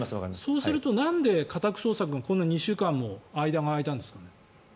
そうするとなんで家宅捜索がこんな２週間も間が空いたんですかね？